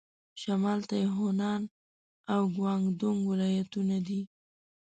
شمال ته یې هونان او ګوانګ دونګ ولايتونه دي.